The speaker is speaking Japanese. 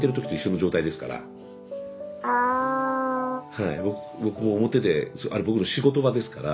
はい僕も表であれ僕の仕事場ですから。